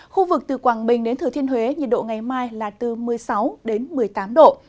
khu vực từ quảng bình đến thừa thiên huế nhiệt độ ngày mai là từ một mươi sáu đến một mươi tám độ